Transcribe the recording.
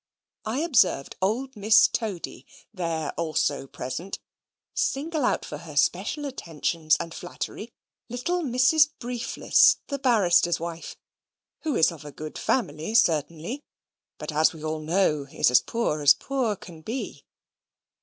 I observed old Miss Toady there also present, single out for her special attentions and flattery little Mrs. Briefless, the barrister's wife, who is of a good family certainly, but, as we all know, is as poor as poor can be.